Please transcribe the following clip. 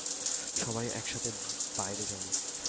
সবাই একসাথে বাইরে যাও!